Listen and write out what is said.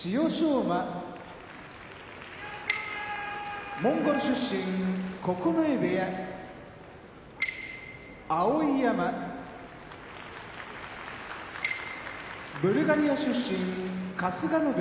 馬モンゴル出身九重部屋碧山ブルガリア出身春日野部屋